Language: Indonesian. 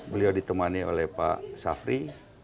beliau ditemani oleh pak safri